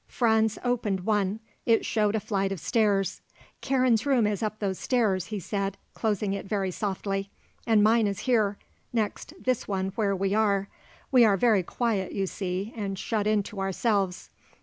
Franz opened one, it showed a flight of stairs. "Karen's room is up those stairs," he said, closing it very softly. "And mine is here, next this one where we are. We are very quiet, you see, and shut in to ourselves.